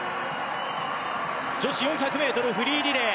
女子４００ｍフリーリレー